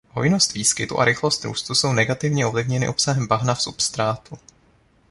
Hojnost výskytu a rychlost růstu jsou negativně ovlivněny obsahem bahna v substrátu.